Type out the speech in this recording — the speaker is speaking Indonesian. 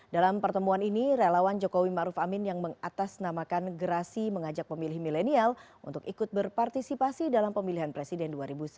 dalam pertemuan ini relawan jokowi maruf amin yang mengatasnamakan gerasi mengajak pemilih milenial untuk ikut berpartisipasi dalam pemilihan presiden dua ribu sembilan belas